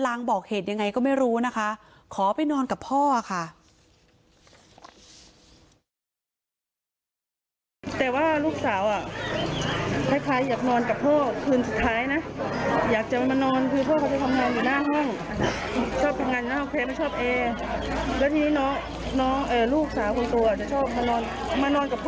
คุณนึกได้ว่าลูกอยากมานอนกับพ่อปกติไม่มาค่ะ